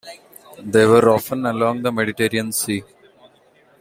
They were often along the Mediterranean Sea.